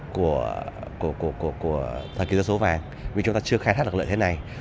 của thời kỳ dân số vàng vì chúng ta chưa khai thác được lợi thế này